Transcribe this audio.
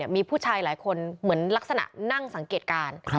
มีผู้ชายหลายคนเหมือนลักษณะนั่งสังเกตการณ์